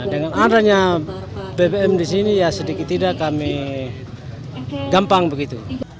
dengan adanya bbm di sini ya sedikit tidak kami gampang begitu